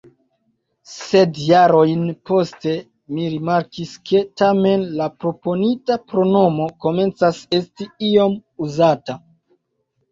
Sed jarojn poste mi rimarkis, ke tamen la proponita pronomo komencas esti iom uzata.